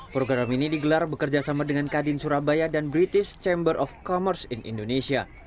program ini digelar bekerjasama dengan kadin surabaya dan british chamber of commerce in indonesia